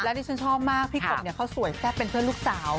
นี่ฉันชอบมากพี่กบเนี่ยเขาสวยแซ่บเป็นเพื่อนลูกสาว